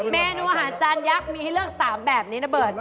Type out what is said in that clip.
เมนูอาหารจานยักษ์มีให้เลือก๓แบบนี้นะเบิร์ต